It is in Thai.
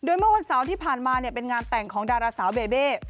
เมื่อวันเสาร์ที่ผ่านมาเป็นงานแต่งของดาราสาวเบเบ้